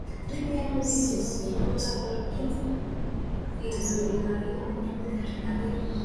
ya simba nchini kuna mpango wa kulipa fidia wakati simba anapowua mifugo badala ya